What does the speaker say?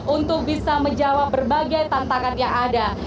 untuk bisa menjawab berbagai tantangan yang ada